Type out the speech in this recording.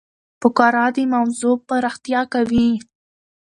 فقره د موضوع پراختیا کوي.